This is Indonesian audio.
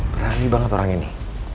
berani banget orang ini